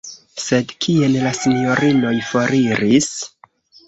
Sed kien la sinjorinoj foriris?